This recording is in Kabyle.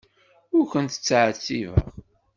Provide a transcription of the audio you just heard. Ur kent-ttɛettibeɣ.